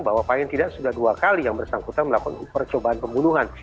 bahwa paling tidak sudah dua kali yang bersangkutan melakukan percobaan pembunuhan